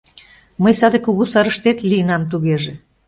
Мый саде кугу сарыштет лийынам тугеже.